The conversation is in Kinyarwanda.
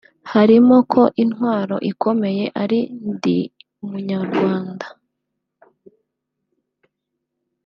harimo ko intwaro ikomeye ari Ndi Umunyarwanda